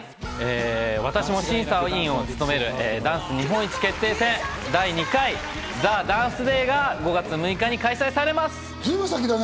私も審査員を務めるダンス日本一決定戦、第２回『ＴＨＥＤＡＮＣＥＤＡＹ』が５月６日に随分先だね。